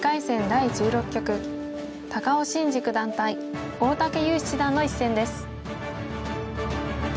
第１６局高尾紳路九段対大竹優七段の一戦です。